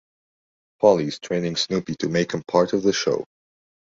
Polly is training Snoopy to make him part of the show.